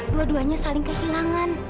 dua duanya saling kehilangan